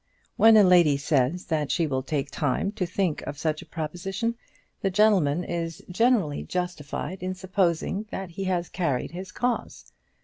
When a lady says that she will take time to think of such a proposition, the gentleman is generally justified in supposing that he has carried his cause.